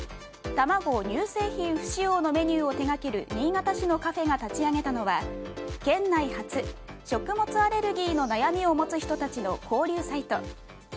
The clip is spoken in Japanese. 卵・乳製品不使用のメニューを手掛ける新潟市のカフェが立ち上げたのは県内初食物アレルギーの悩みを持つ人たちの交流サイト。